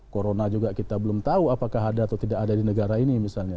corona juga kita belum tahu apakah ada atau tidak ada di negara ini misalnya